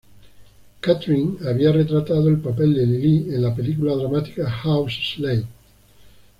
Kathryn había retratado el papel de 'Lily' en la película dramática "House Slave".